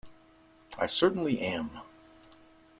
I certainly am.